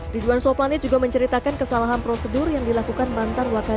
ridwan soplanit juga menceritakan kesalahan prosedur yang dilakukan bantar wakarim jawa